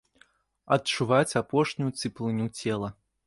Адчуваць апошнюю цеплыню цела.